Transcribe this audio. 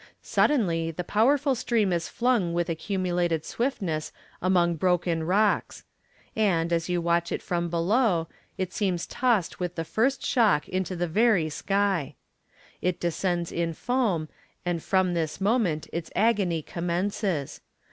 Suddenly the powerful stream is flung with accumulated swiftness among broken rocks; and, as you watch it from below, it seems tossed with the first shock into the very sky. It descends in foam, and from this moment its agony commences.